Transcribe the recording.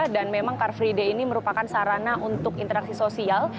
dan memang car free day ini merupakan sarana untuk interaksi sosial